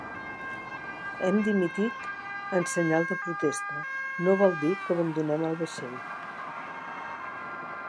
Hem dimitit en senyal de protesta, no vol dir que abandonem el vaixell